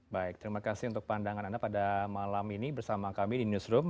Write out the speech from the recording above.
baik terima kasih untuk pandangan anda pada malam ini bersama kami di newsroom